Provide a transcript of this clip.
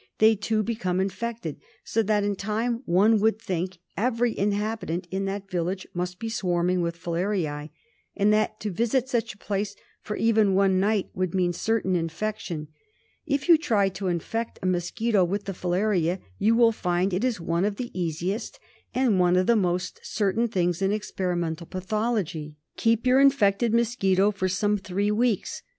They, too, become infected; so that in time one would think every inhabitant in that village must be swarming with filariae, and that to visit such a place for even one night would mean certain infection. If you try to infect a mosquito with the filaria, you will find it is one of the easiest and one of the most certain things in experimental pathology. Keep your infected mosquito for some three weeks.